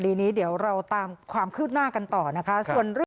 ดีนี้เดี๋ยวเราตามความคืบหน้ากันต่อนะคะ